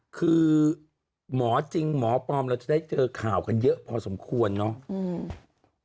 คือหมอจริงหมอปลอมเราจะได้เจอข่าวกันเยอะพอสมควรเนาะ